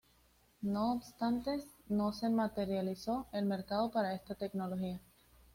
No obstante, no se materializó el mercado para esta tecnología.